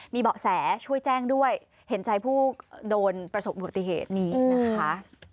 มีเบาะแสช่วยแจ้งด้วยเห็นใจผู้โดนประสบอุบัติเหตุนี้นะคะ